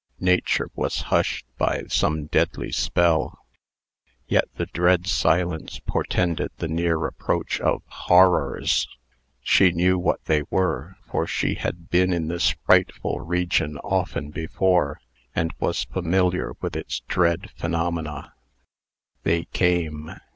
Nature was hushed by some deadly spell. Yet the dread silence portended the near approach of HORRORS. She knew what they were, for she had been in this frightful region often before, and was familiar with its dread phenomena. They came.